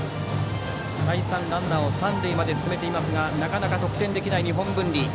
再三、ランナーを三塁まで進めていますがなかなか得点できない日本文理。